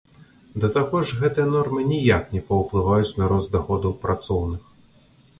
Да таго ж гэтыя нормы ніяк не паўплываюць на рост даходаў працоўных.